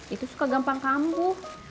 itu suka gampang kambuh